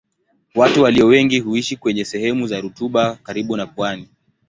Watu walio wengi huishi kwenye sehemu za rutuba karibu na pwani.